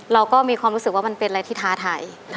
เราก็มีความรู้สึกว่ามันเป็นอะไรที่ท้าทาย